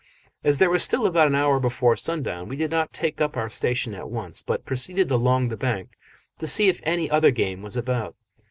As there was still about an hour before sundown, we did not take up our station at once, but proceeded along the bank to see if any other game was about.